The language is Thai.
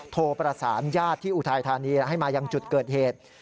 โทรประสานญาติที่อุทัยธานีให้มายังจุดเกิดเหตุ